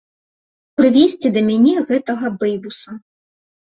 Прывесці да мяне гэтага бэйбуса!